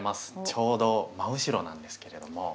ちょうど真後ろなんですけれども。